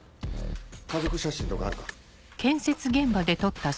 家族写真とかあるか？